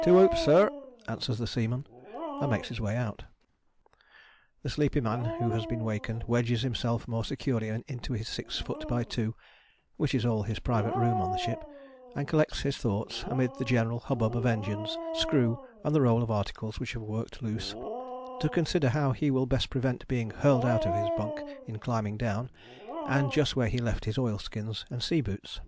"Two hoops, sir!" answers the seaman, and makes his way out. The sleepy man who has been wakened wedges himself more securely into his six foot by two which is all his private room on the ship and collects his thoughts, amid the general hubbub of engines, screw and the roll of articles which have worked loose, to consider how he will best prevent being hurled out of his bunk in climbing down, and just where he left his oilskins and sea boots.